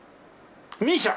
ＭＩＳＩＡ。